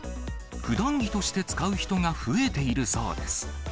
ふだん着として使う人が増えているそうです。